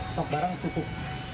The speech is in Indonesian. stok barang cukup